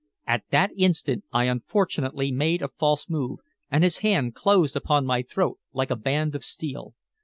At that instant I unfortunately made a false move, and his hand closed upon my throat like a band of steel.